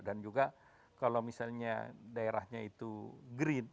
dan juga kalau misalnya daerahnya itu green